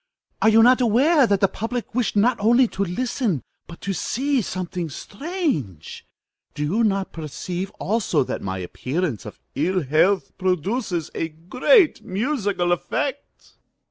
Are you not aware that the public wish not only to listen, but to see something strange? Do you not perceive also that my appearance of ill health produces a great musical effect?